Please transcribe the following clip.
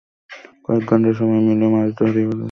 কয়েক ঘন্টা সবাই মিলে মাছ ধরি, বুঝেছ, ডেনহাই?